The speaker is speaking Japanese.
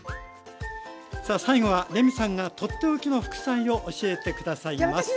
さあ最後はレミさんがとっておきの副菜を教えて下さいます。